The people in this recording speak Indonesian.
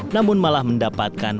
namun malah berjalan ke jalan raya